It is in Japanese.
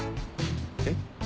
えっ？